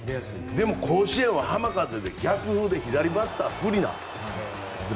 でも、甲子園は浜風で逆風で左バッター不利なんです。